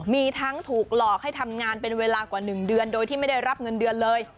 มีทั้งถูกหลอกให้ทำงานเป็นเวลากว่า๑เดือนโดยที่ไม่ได้รับเงินเดือนเลย